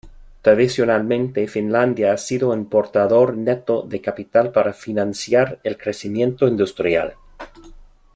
Tradicionalmente, Finlandia ha sido un importador neto de capital para financiar el crecimiento industrial.